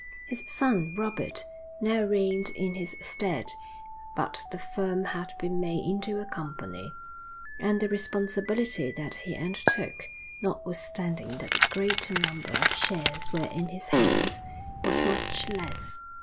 His son, Robert, now reigned in his stead, but the firm had been made into a company, and the responsibility that he undertook, notwithstanding that the greater number of shares were in his hands, was much less.